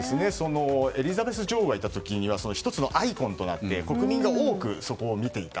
エリザベス女王がいた時には１つのアイコンとなって国民が多くそこを見ていた。